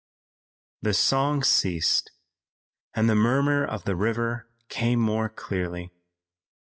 The song ceased and the murmur of the river came more clearly.